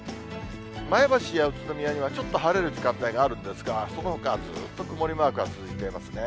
前橋や宇都宮にはちょっと晴れる時間帯があるんですが、そのほか、ずっと曇りマークが続いていますね。